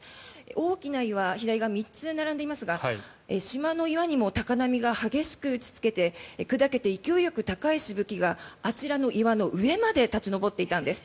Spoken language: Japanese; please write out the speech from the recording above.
大きな岩左側に３つ並んでいますが島の岩にも高波が激しく打ちつけて砕けて勢いよく高いしぶきがあちらの岩の上まで立ち上っていたんです。